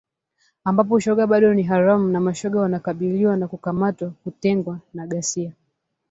ambapo ushoga bado ni haramu na mashoga wanakabiliwa na kukamatwa, kutengwa na ghasia